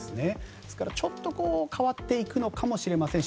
ですからちょっと変わるかもしれませんし。